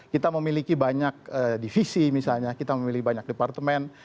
kita memiliki banyak divisi kita memiliki banyak departemen